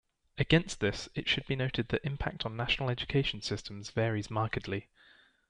Against this, it should be noted that impact on national education systems varies markedly.